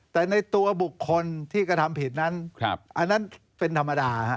แต่ในตัวบุคคลที่กระทำผิดนั้นอันนั้นเป็นธรรมดา